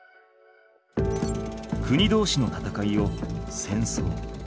国同士の戦いを戦争